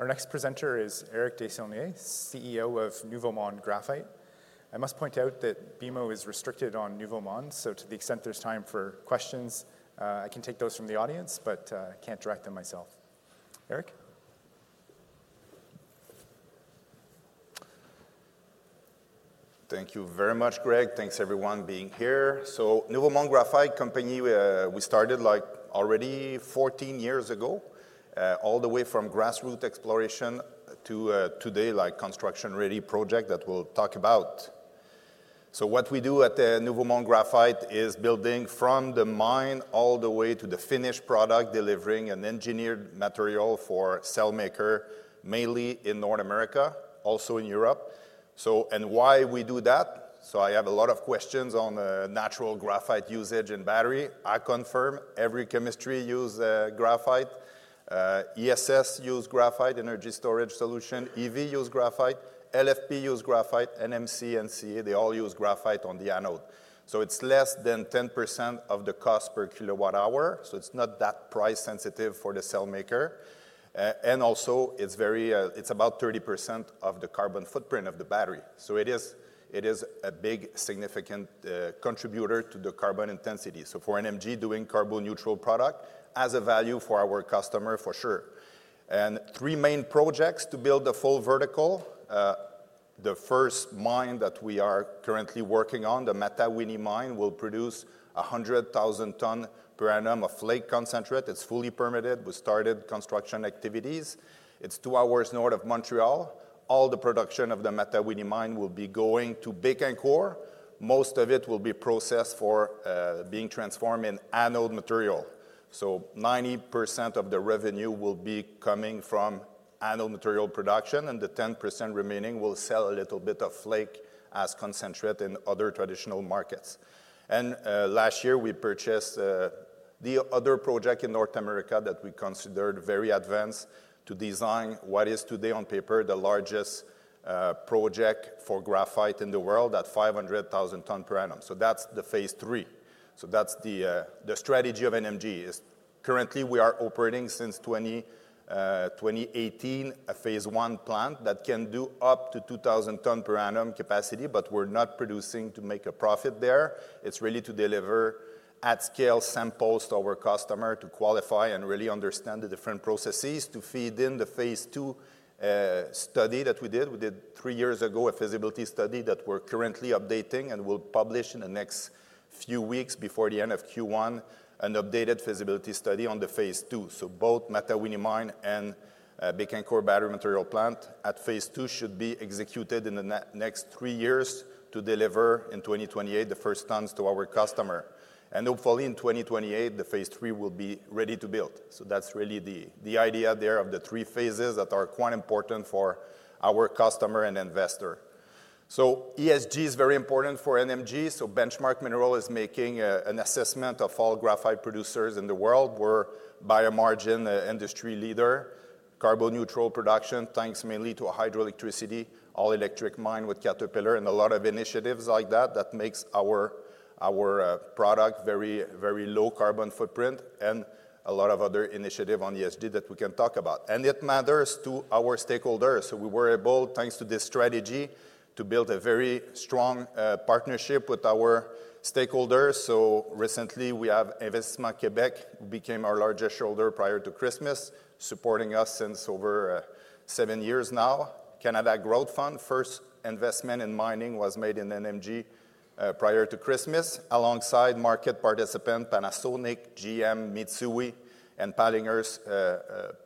Our next presenter is Eric Desaulniers, CEO of Nouveau Monde Graphite. I must point out that BMO is restricted on Nouveau Monde, so to the extent there's time for questions, I can take those from the audience, but can't direct them myself. Eric? Thank you very much, Greg. Thanks, everyone, for being here. Nouveau Monde Graphite, we started like already 14 years ago, all the way from grassroots exploration to today, like a construction-ready project that we'll talk about. What we do at Nouveau Monde Graphite is building from the mine all the way to the finished product, delivering an engineered material for cell maker, mainly in North America, also in Europe. Why we do that? I have a lot of questions on natural graphite usage and battery. I confirm every chemistry uses graphite. ESS uses graphite, energy storage solution. EV uses graphite. LFP uses graphite. NMC and CA, they all use graphite on the anode. It's less than 10% of the cost per kilowatt-hour, so it's not that price-sensitive for the cell maker. It is about 30% of the carbon footprint of the battery. It is a big, significant contributor to the carbon intensity. For NMG, doing carbon-neutral product is a value for our customer, for sure. Three main projects to build the full vertical. The first mine that we are currently working on, the Matawinie Mine, will produce 100,000 tons per annum of flake concentrate. It is fully permitted. We started construction activities. It is two hours north of Montreal. All the production of the Matawinie Mine will be going to Bécancourt. Most of it will be processed for being transformed in anode material. 90% of the revenue will be coming from anode material production, and the 10% remaining will sell a little bit of flake as concentrate in other traditional markets. Last year, we purchased the other project in North America that we considered very advanced to design what is today, on paper, the largest project for graphite in the world at 500,000 tons per annum. That is the phase three. That is the strategy of NMG. Currently, we are operating since 2018 a phase one plant that can do up to 2,000 tons per annum capacity, but we're not producing to make a profit there. It's really to deliver at-scale samples to our customer to qualify and really understand the different processes to feed in the phase two study that we did. We did three years ago a feasibility study that we're currently updating and will publish in the next few weeks before the end of Q1 an updated feasibility study on the phase two. Both Matawinie Mine and Bécancourt Battery Material Plant at phase two should be executed in the next three years to deliver in 2028 the first tons to our customer. Hopefully, in 2028, phase three will be ready to build. That is really the idea there of the three phases that are quite important for our customer and investor. ESG is very important for NMG. Benchmark Minerals is making an assessment of all graphite producers in the world. We are by a margin the industry leader. Carbon-neutral production thanks mainly to hydroelectricity, all-electric mine with Caterpillar, and a lot of initiatives like that make our product very, very low carbon footprint and a lot of other initiatives on ESG that we can talk about. It matters to our stakeholders. We were able, thanks to this strategy, to build a very strong partnership with our stakeholders. Recently, we have Investissement Québec became our largest shareholder prior to Christmas, supporting us since over seven years now. Canada Growth Fund, first investment in mining was made in NMG prior to Christmas, alongside market participants Panasonic, GM, Mitsui, and Pallinghurst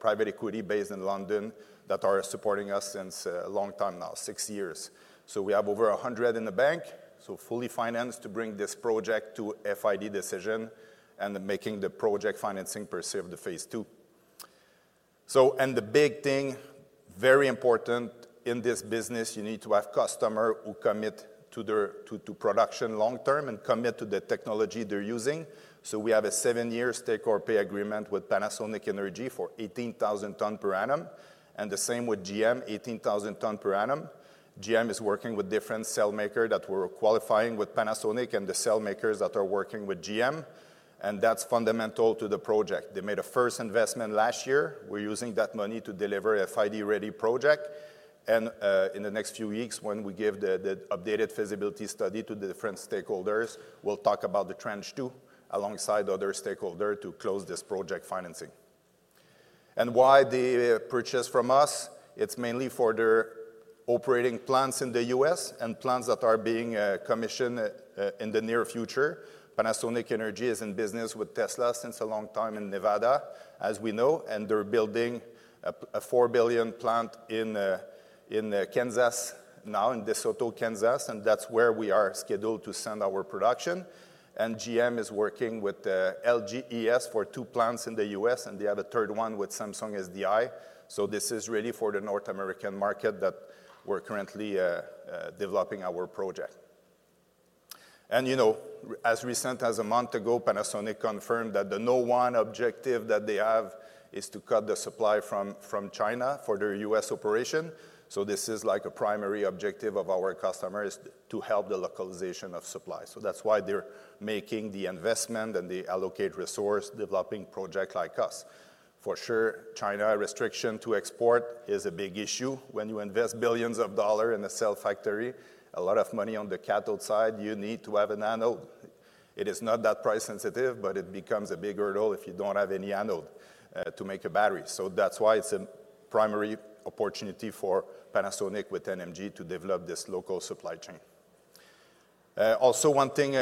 Private Equity based in London that are supporting us since a long time now, six years. We have over $100 million in the bank, so fully financed to bring this project to FID decision and making the project financing per se of the phase two. The big thing, very important in this business, you need to have customers who commit to production long term and commit to the technology they're using. We have a seven-year take-or-pay agreement with Panasonic Energy for 18,000 tons per annum. The same with GM, 18,000 tons per annum. GM is working with different cell makers that we're qualifying with Panasonic and the cell makers that are working with GM. That is fundamental to the project. They made a first investment last year. We're using that money to deliver a FID-ready project. In the next few weeks, when we give the updated feasibility study to the different stakeholders, we'll talk about the tranche two alongside other stakeholders to close this project financing. Why they purchased from us? It's mainly for their operating plants in the US and plants that are being commissioned in the near future. Panasonic Energy is in business with Tesla since a long time in Nevada, as we know, and they're building a $4 billion plant in Kansas now, in DeSoto, Kansas, and that's where we are scheduled to send our production. GM is working with LGES for two plants in the US, and they have a third one with Samsung SDI. This is really for the North American market that we're currently developing our project. You know, as recent as a month ago, Panasonic confirmed that the Nouveau Monde objective that they have is to cut the supply from China for their U.S. operation. This is like a primary objective of our customers to help the localization of supply. That is why they're making the investment and they allocate resource developing projects like us. For sure, China restriction to export is a big issue. When you invest billions of dollars in a cell factory, a lot of money on the cathode side, you need to have an anode. It is not that price-sensitive, but it becomes a big hurdle if you do not have any anode to make a battery. That is why it is a primary opportunity for Panasonic with NMG to develop this local supply chain. Also, one thing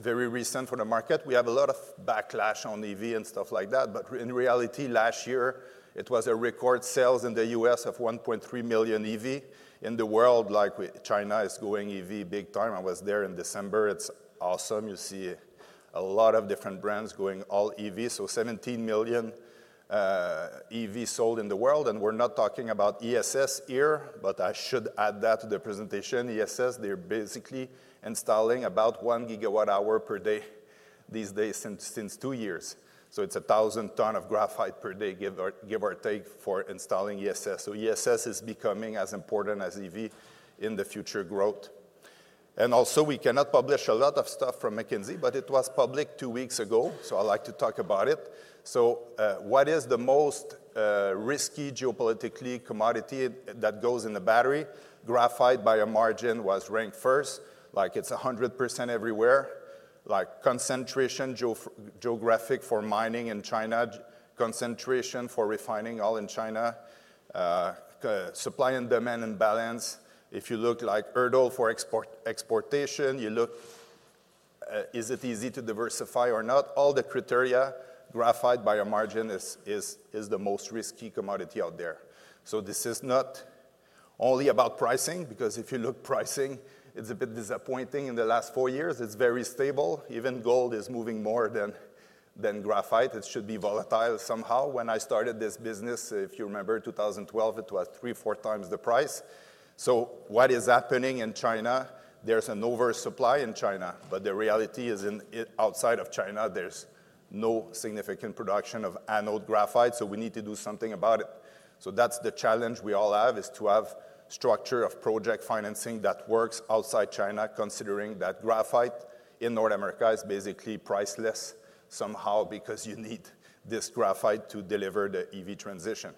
very recent for the market, we have a lot of backlash on EV and stuff like that, but in reality, last year, it was record sales in the U.S. of 1.3 million EV. In the world, like China is going EV big time. I was there in December. It is awesome. You see a lot of different brands going all EV. Seventeen million EV sold in the world. We are not talking about ESS here, but I should add that to the presentation. ESS, they are basically installing about 1 gigawatt-hour per day these days since two years. It's 1,000 tons of graphite per day, give or take, for installing ESS. ESS is becoming as important as EV in the future growth. Also, we cannot publish a lot of stuff from McKinsey, but it was public two weeks ago, so I'd like to talk about it. What is the most risky geopolitically commodity that goes in the battery? Graphite, by a margin, was ranked first. Like it's 100% everywhere. Like concentration geographic for mining in China, concentration for refining all in China, supply and demand imbalance. If you look like hurdle for exportation, you look is it easy to diversify or not? All the criteria, graphite, by a margin, is the most risky commodity out there. This is not only about pricing, because if you look pricing, it's a bit disappointing. In the last four years, it's very stable. Even gold is moving more than graphite. It should be volatile somehow. When I started this business, if you remember, 2012, it was three, four times the price. What is happening in China? There is an oversupply in China, but the reality is outside of China, there is no significant production of anode graphite, so we need to do something about it. That is the challenge we all have, to have structure of project financing that works outside China, considering that graphite in North America is basically priceless somehow because you need this graphite to deliver the EV transition.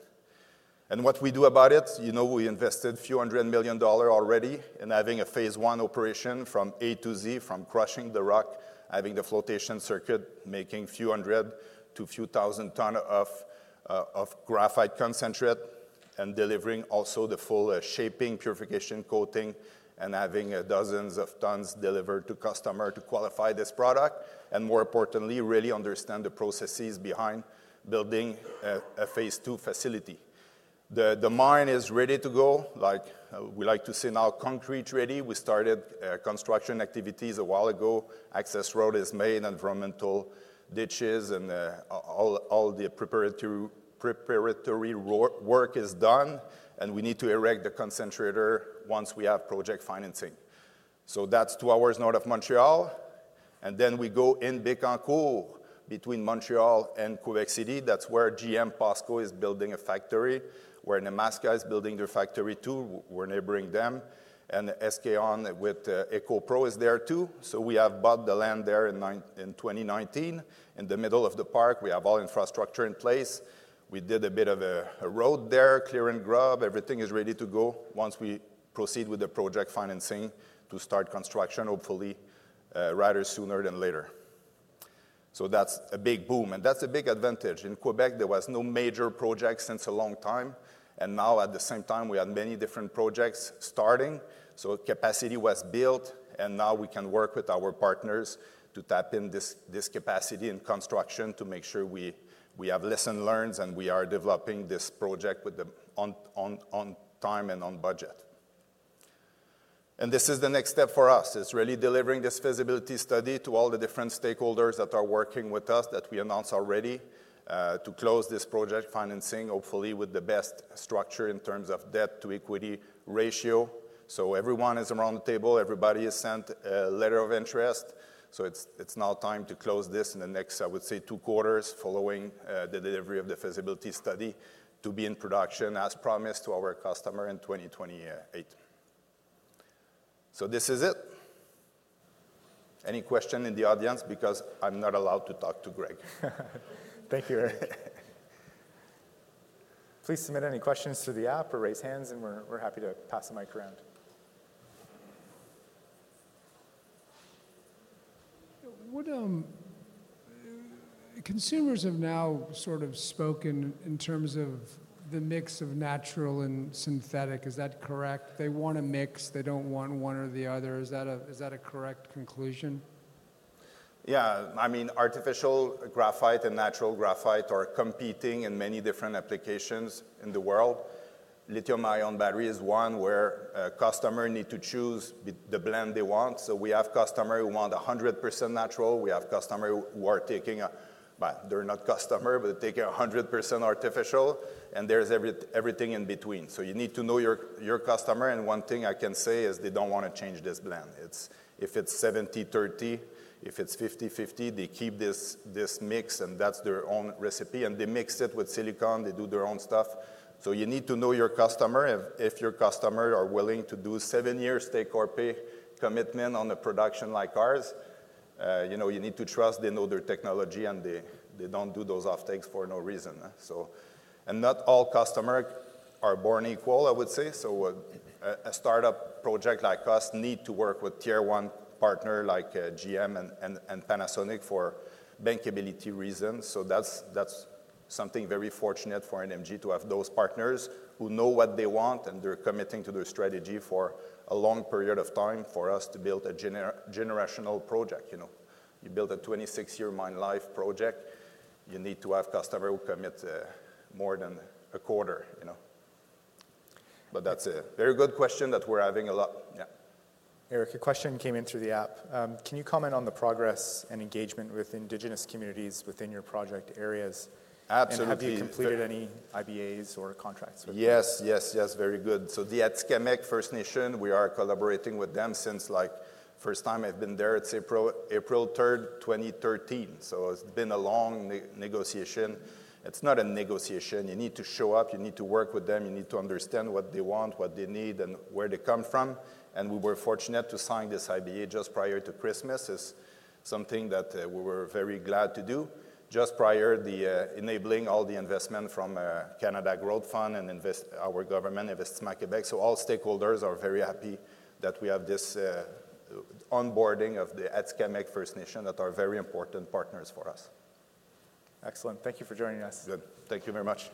What we do about it, you know, we invested a few hundred million dollars already in having a phase one operation from A to Z, from crushing the rock, having the flotation circuit, making a few hundred to a few thousand tons of graphite concentrate and delivering also the full shaping, purification, coating, and having dozens of tons delivered to customer to qualify this product. More importantly, really understand the processes behind building a phase two facility. The mine is ready to go. Like we like to say now, concrete ready. We started construction activities a while ago. Access road is made, environmental ditches, and all the preparatory work is done. We need to erect the concentrator once we have project financing. That is two hours north of Montreal. We go in Bécancourt between Montreal and Quebec City. That's where GM is building a factory, where Nemaska is building their factory too. We're neighboring them. SK On with EcoPro is there too. We have bought the land there in 2019. In the middle of the park, we have all infrastructure in place. We did a bit of a road there, clearing grub. Everything is ready to go once we proceed with the project financing to start construction, hopefully rather sooner than later. That's a big boom. That's a big advantage. In Quebec, there was no major project since a long time. Now, at the same time, we had many different projects starting. Capacity was built, and now we can work with our partners to tap in this capacity in construction to make sure we have lesson learned and we are developing this project on time and on budget. This is the next step for us. It's really delivering this feasibility study to all the different stakeholders that are working with us that we announced already to close this project financing, hopefully with the best structure in terms of debt to equity ratio. Everyone is around the table. Everybody has sent a letter of interest. It's now time to close this in the next, I would say, two quarters following the delivery of the feasibility study to be in production as promised to our customer in 2028. This is it. Any question in the audience? Because I'm not allowed to talk to Greg. Thank you, Eric. Please submit any questions through the app or raise hands, and we're happy to pass the mic around. Consumers have now sort of spoken in terms of the mix of natural and synthetic. Is that correct? They want a mix. They don't want one or the other. Is that a correct conclusion? Yeah. I mean, artificial graphite and natural graphite are competing in many different applications in the world. Lithium-ion battery is one where customers need to choose the blend they want. We have customers who want 100% natural. We have customers who are taking, well, they're not customers, but they're taking 100% artificial. And there's everything in between. You need to know your customer. One thing I can say is they don't want to change this blend. If it's 70-30, if it's 50-50, they keep this mix, and that's their own recipe. They mix it with silicon. They do their own stuff. You need to know your customer. If your customers are willing to do a seven-year take-or-pay commitment on a production like ours, you need to trust they know their technology and they don't do those offtakes for no reason. Not all customers are born equal, I would say. A startup project like us needs to work with a tier one partner like GM and Panasonic for bankability reasons. That is something very fortunate for NMG to have those partners who know what they want and they're committing to their strategy for a long period of time for us to build a generational project. You build a 26-year mine life project, you need to have customers who commit more than a quarter. That is a very good question that we're having a lot. Yeah. Eric, a question came in through the app. Can you comment on the progress and engagement with Indigenous communities within your project areas? Absolutely. Have you completed any IBAs or contracts? Yes, yes, yes. Very good. The Atikamekw First Nation, we are collaborating with them since like the first time I've been there at April 3rd, 2013. It has been a long negotiation. It is not a negotiation. You need to show up. You need to work with them. You need to understand what they want, what they need, and where they come from. We were fortunate to sign this IBA just prior to Christmas. It is something that we were very glad to do just prior to enabling all the investment from Canada Growth Fund and our government, Investissement Québec. All stakeholders are very happy that we have this onboarding of the Atikamekw First Nation that are very important partners for us. Excellent. Thank you for joining us. Good. Thank you very much.